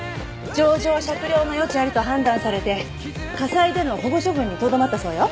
情状酌量の余地ありと判断されて家裁での保護処分にとどまったそうよ。